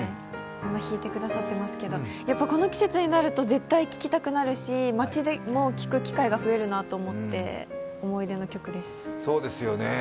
弾いてくださっていますけれども、やっぱりこの季節になると絶対聴きたくなるし街でも聴く機会が増えるなと思って、思い出の曲です。